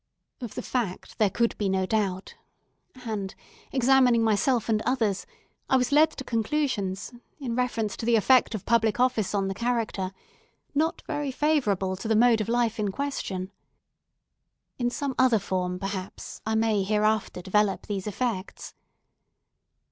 Of the fact there could be no doubt and, examining myself and others, I was led to conclusions, in reference to the effect of public office on the character, not very favourable to the mode of life in question. In some other form, perhaps, I may hereafter develop these effects.